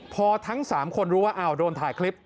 พอทั้ง๓คนรู้ว่าโดนถ่ายคลิป